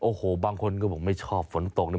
โอ้โหบางคนก็บอกไม่ชอบฝนตกนะ